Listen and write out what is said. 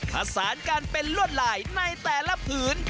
ผสานกันเป็นลวดลายในแต่ละผืน